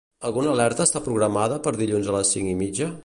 Alguna alerta està programada per dilluns a les cinc i mitja?